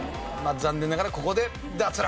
残念ながらここで脱落。